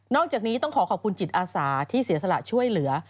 อกจากนี้ต้องขอขอบคุณจิตอาสาที่เสียสละช่วยเหลือ